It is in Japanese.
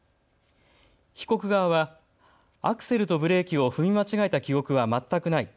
被告側はアクセルとブレーキを踏み間違えた記憶は全くない。